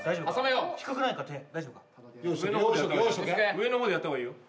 上の方でやった方がいいよ。